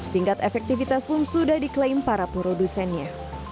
tingkat efektivitas pun sudah diklaim para produsennya